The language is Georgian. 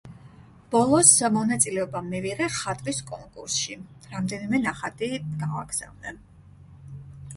ბოლოს მონაწილეობა მივიღე ხატვის კონკურსში, რამდენიმე ნახატი გავაგზავნე.